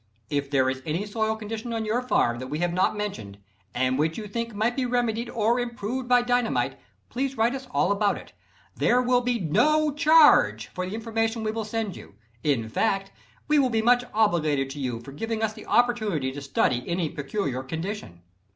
If there is any soil condition on your farm that we have not mentioned, and which you think might be remedied or improved by dynamite, please write us all about it. There will be no charge for the information we will send you; in fact, we will be much obliged to you for giving us the opportunity to study any peculiar condition.